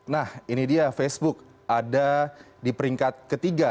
nah ini dia facebook ada di peringkat ketiga